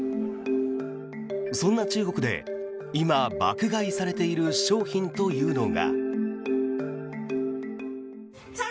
そんな中国で今爆買いされている商品というのが。